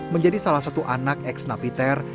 menjadi salah satu anak ex napiter